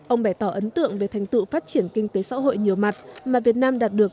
ông bày tỏ ấn tượng về thành tựu phát triển kinh tế xã hội nhiều mặt mà việt nam đạt được